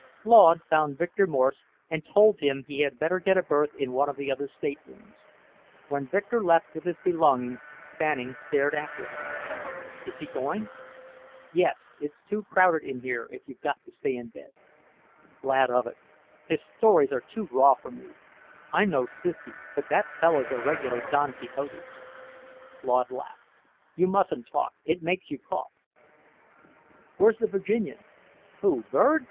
Claude found Victor Morse and told him he had better get a berth in one of the other staterooms. When Victor left with his belongings, Fanning stared after him. "Is he going?" "Yes. It's too crowded in here, if you've got to stay in bed." "Glad of it. His stories are too raw for me. I'm no sissy, but that fellow's a regular Don Quixote." Claude laughed. "You mustn't talk. It makes you cough." "Where's the Virginian?" "Who, Bird?"